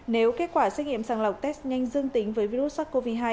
nếu kết quả xét nghiệm sàng lọc test nhanh dương tính với virus sars cov hai